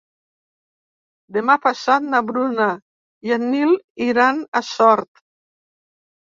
Demà passat na Bruna i en Nil iran a Sort.